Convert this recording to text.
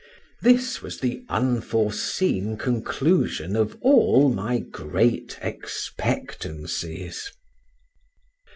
This was the unforeseen conclusion of all my great expectancies!